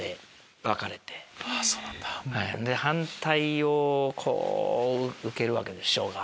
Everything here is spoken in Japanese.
で反対をこう受けるわけで師匠が。